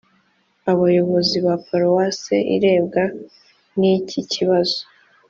abayobozi ba paruwase irebwa n’iki kibazo